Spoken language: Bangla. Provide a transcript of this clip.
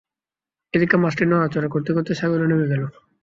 এদিকে মাছটি নড়াচড়া করতে করতে সাগরে নেমে গেল।